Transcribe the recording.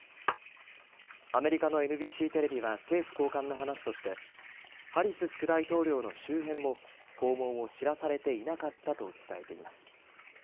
アメリカのＮＢＣテレビは政府高官の話としてハリス副大統領の周辺も訪問を知らされていなかったと伝えています。